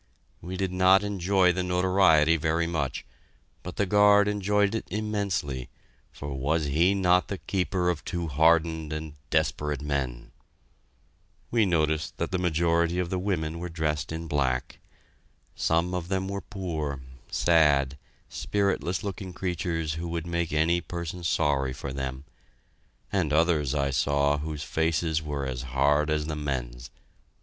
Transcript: We did not enjoy the notoriety very much, but the guard enjoyed it immensely, for was he not the keeper of two hardened and desperate men? We noticed that the majority of the women were dressed in black. Some of them were poor, sad, spiritless looking creatures who would make any person sorry for them; and others I saw whose faces were as hard as the men's.